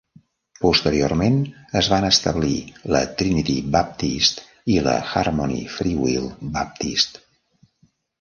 Posteriorment es van establir la Trinity Baptist i la Harmony Freewill Baptist.